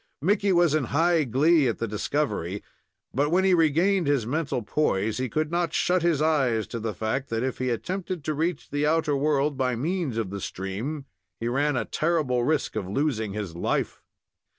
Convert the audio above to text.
Mickey was in high glee at the discovery, but when he regained his mental poise, he could not shut his eyes to the fact that if he attempted to reach the outer world by means of the stream, he ran a terrible risk of losing his life.